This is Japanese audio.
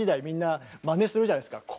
みんなまねするじゃないですか。